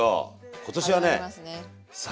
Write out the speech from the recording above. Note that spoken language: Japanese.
今年はね。